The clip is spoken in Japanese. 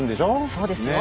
そうですよ。